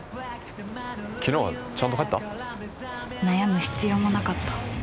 悩む必要もなかった